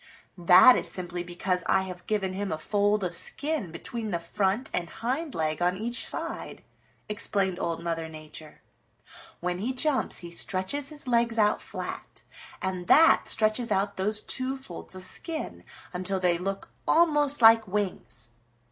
"That is simply because I have given him a fold of skin between the front and hind leg on each side," explained Old Mother Nature. "When he jumps he stretches his legs out flat, and that stretches out those two folds of skin until they look almost like wings.